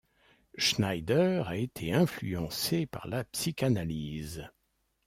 Schneider a été influencé par la psychanalyse.